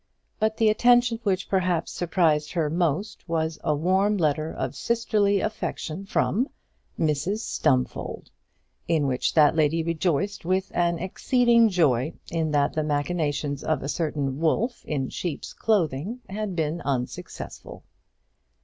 But the attention which perhaps surprised her most was a warm letter of sisterly affection from Mrs Stumfold, in which that lady rejoiced with an exceeding joy in that the machinations of a certain wolf in sheep's clothing had been unsuccessful.